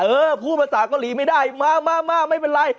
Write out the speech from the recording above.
เออพูดภาษาเกาหลีไม่ได้มามาไม่เป็นไร